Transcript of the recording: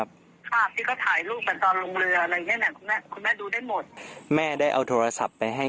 คุณแม่จะไปให้เขาทำไม